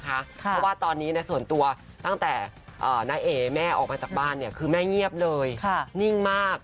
เพราะว่าตอนนี้ส่วนตัวตั้งแต่น้าเอ๋แม่ออกมาจากบ้านคือแม่เงียบเลยนิ่งมาก